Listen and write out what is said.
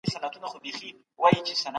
موږ دا نه زده کوو.